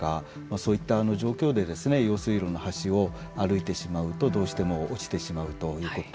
そういった状況で用水路の端を歩いてしまうとどうしても落ちてしまうということ。